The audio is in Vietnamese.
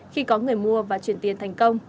khi có người mua và chuyển tiền thành công